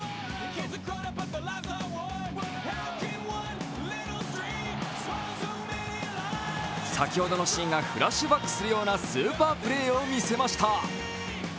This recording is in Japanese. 更に、６回にも先ほどのシーンがフラッシュバックするようなスーパープレーを見せました。